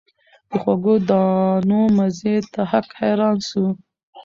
د خوږو دانو مزې ته هک حیران سو